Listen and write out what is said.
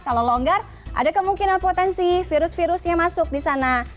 kalau longgar ada kemungkinan potensi virus virusnya masuk di sana